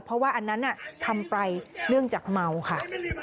เพราะว่าอันนั้นทำไปเนื่องจากเมาค่ะ